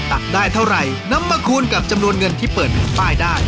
ตักได้เท่าไหร่นำมาคูณกับจำนวนเงินที่เปิดแผ่นป้ายได้